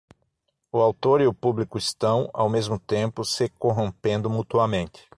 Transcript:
O autor e o público estão, ao mesmo tempo, se corrompendo mutuamente.